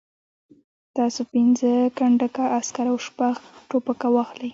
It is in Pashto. تاسو پنځه کنډکه عسکر او شپږ توپونه واخلئ.